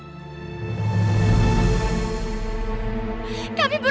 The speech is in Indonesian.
saya yang mengatur